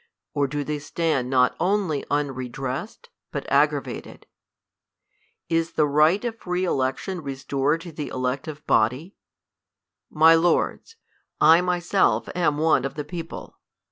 or do they stand not only unredressed, but aggravated ? Is the right of free election restored to the elective body f My lords, I myself am one of the people.